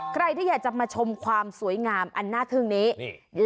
ใครที่อยากจะมาชมความสวยงามอันน่าทึ่งนี้